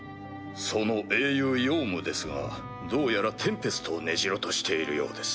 その英雄ヨウムですがどうやらテンペストを根城としているようです。